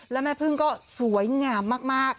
แล้วแม่พึ่งก็สวยงามมาก